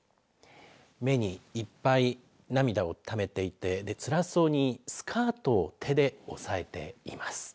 目にいっぱい涙をためていて、つらそうにスカートを手で押さえています。